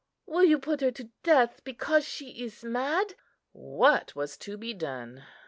Will you put her to death because she is mad?" What was to be done?